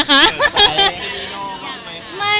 เปิดใจอะไรบ้าง